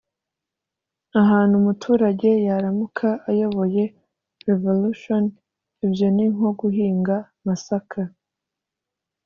Ahantu umuturage yaramuka ayoboye revolution (ibyo ni nko guhinga masaka)